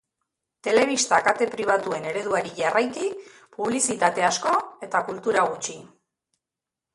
Telebista kate pribatuen ereduari jarraiki publizitate asko eta kultura gutxi.